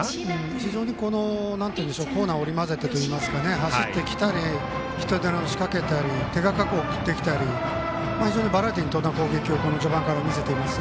非常に巧打を織り交ぜてというか走ってきたりヒットエンドランを仕掛けたり手堅く送ってきたり非常にバラエティーに富んだ攻撃を序盤から見せています。